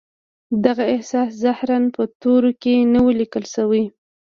دغه احساس ظاهراً په تورو کې نه و ليکل شوی.